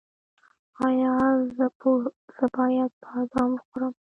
ایا زه باید بادام وخورم؟